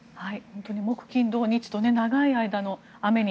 木金土日と長い間の雨に。